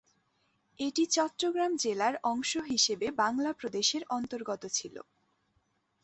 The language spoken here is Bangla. এটি চট্টগ্রাম জেলার অংশ হিসাবে বাংলা প্রদেশের অন্তর্গত ছিল।